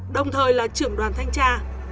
đồng thời là trưởng đoàn thanh tra